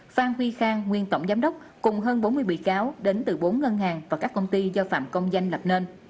phan huy khang nguyên tổng giám đốc cùng hơn bốn mươi bị cáo đến từ bốn ngân hàng và các công ty do phạm công danh lập nên